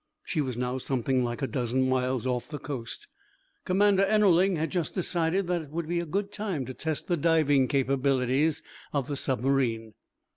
She was now something like a dozen miles off the coast. Commander Ennerling had just decided that it would be a good time to test the diving capabilities of the submarine.